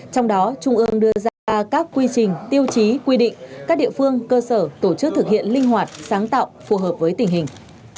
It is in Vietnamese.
trong đó trung ương đưa ra các quy trình tiêu chí quy định các địa phương cơ sở tổ chức thực hiện linh hoạt sáng tạo phù hợp với tình hình